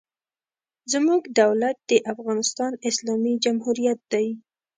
زموږ دولت د افغانستان اسلامي جمهوریت دی.